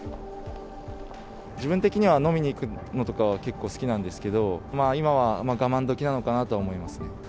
自分的には飲みに行くのとかは結構好きなんですけど、今は我慢時なのかなとは思いますね。